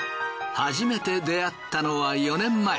初めて出会ったのは４年前。